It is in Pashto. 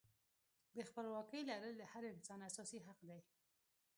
د خپلواکۍ لرل د هر انسان اساسي حق دی.